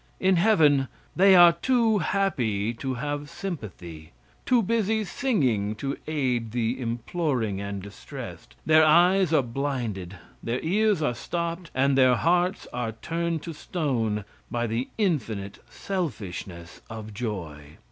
In heaven they are too happy to have sympathy; too busy singing to aid the imploring and distressed. Their eyes are blinded; their ears are stopped and their hearts are turned to stone by the infinite selfishness of joy.